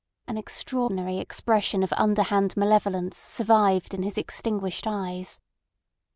An extraordinary expression of underhand malevolence survived in his extinguished eyes.